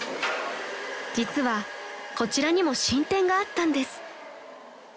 ［実はこちらにも進展があったんです］